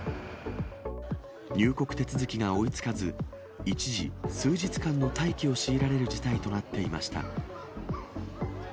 入国手続きが追いつかず、一時、数日間の待機を強いられる事態となっていました。